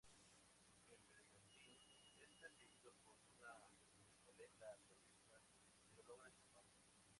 El bergantín es perseguido por una goleta realista pero logra escapar.